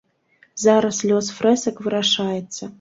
Зараз лёс фрэсак вырашаецца.